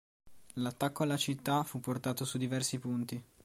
L'attacco alla città fu portato su diversi punti.